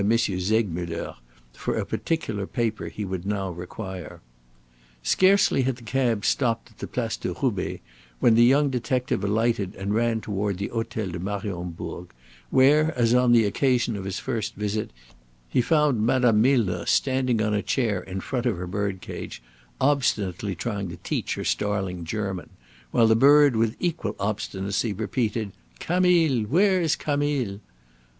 Segmuller, for a particular paper he would now require. Scarcely had the cab stopped at the Place de Roubaix than the young detective alighted and ran toward the Hotel de Mariembourg, where, as on the occasion of his first visit, he found Madame Milner standing on a chair in front of her birdcage, obstinately trying to teach her starling German, while the bird with equal obstinacy repeated: "Camille! where is Camille?"